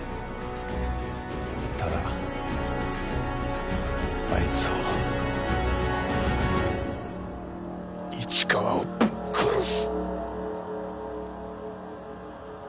ただあいつを市川をぶっ殺す！